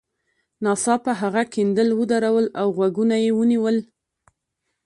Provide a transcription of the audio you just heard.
ناڅاپه هغه کیندل ودرول او غوږونه یې ونیول